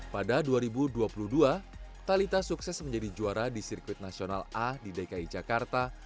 pada dua ribu dua puluh dua talitha sukses menjadi juara di sirkuit nasional a di dki jakarta